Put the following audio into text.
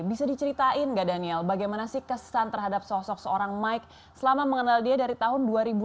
bisa diceritain gak daniel bagaimana sih kesan terhadap sosok seorang mike selama mengenal dia dari tahun dua ribu lima belas